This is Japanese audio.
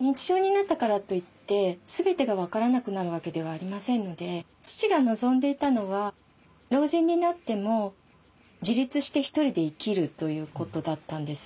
認知症になったからといって全てが分からなくなるわけではありませんので父が望んでいたのは老人になっても自立して一人で生きるということだったんです。